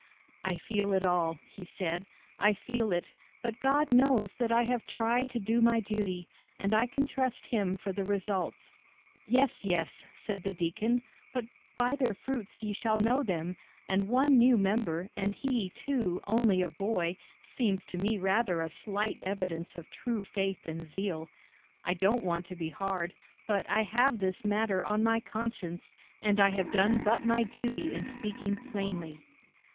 "I feel it all," he said; "I feel it, but God knows that I have tried to do my duty, and I can trust him for the results." "Yes, yes," said the deacon, "but 'by their fruits ye shall know them,' and one new member, and he, too, only a boy, seems to me rather a slight evidence of true faith and zeal. I don't want to be hard, but I have this matter on my conscience, and I have done but my duty in speaking plainly."